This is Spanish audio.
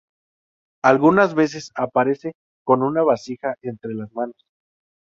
Algunas veces aparece con una vasija entre las manos.